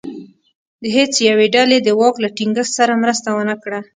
د هېڅ یوې ډلې دواک له ټینګښت سره مرسته ونه کړه.